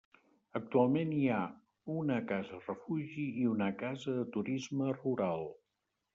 Actualment hi ha una casa refugi i una casa de turisme rural.